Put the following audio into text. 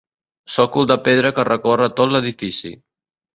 Sòcol de pedra que recorre tot l'edifici.